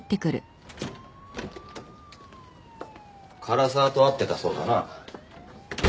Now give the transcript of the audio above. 唐沢と会ってたそうだな。